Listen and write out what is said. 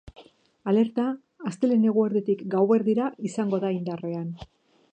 Alerta astelehen eguerditik gauerdira izango da indarrean.